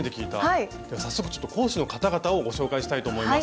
では早速講師の方々をご紹介したいと思います。